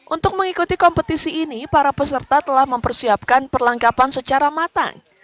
untuk mengikuti kompetisi ini para peserta telah mempersiapkan perlengkapan secara matang